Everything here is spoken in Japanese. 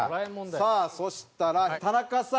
さあそしたら田中さん。